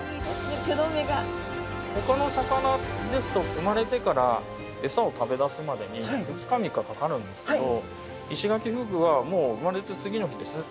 ほかの魚ですと生まれてから餌を食べだすまでに２日３日かかるんですけどイシガキフグはもう生まれて次の日ですね。